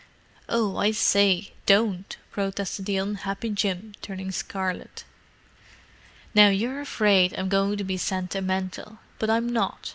"Oh, I say, don't!" protested the unhappy Jim, turning scarlet. "Now you're afraid I'm going to be sentimental, but I'm not.